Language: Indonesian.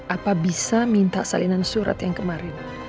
apa bisa minta salinan surat yang kemarin